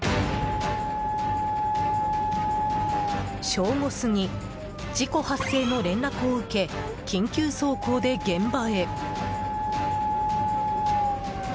正午過ぎ、事故発生の連絡を受け緊急走行で現場へ。